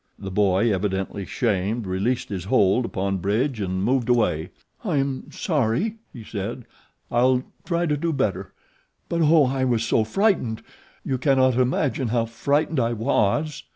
The boy, evidently shamed, released his hold upon Bridge and moved away. "I am sorry," he said. "I'll try to do better; but, Oh! I was so frightened. You cannot imagine how frightened I was."